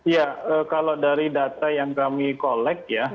ya kalau dari data yang kami collect ya